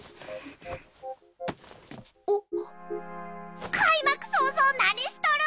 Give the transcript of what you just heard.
あっ。